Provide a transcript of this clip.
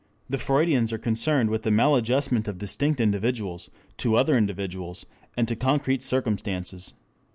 The Freudians are concerned with the maladjustment of distinct individuals to other individuals and to concrete circumstances.